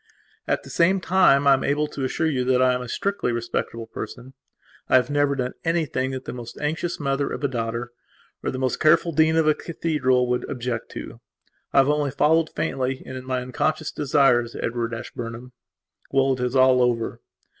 At the same time I am able to assure you that I am a strictly respectable person. I have never done anything that the most anxious mother of a daughter or the most careful dean of a cathedral would object to. I have only followed, faintly, and in my unconscious desires, Edward Ashburnham. Well, it is all over.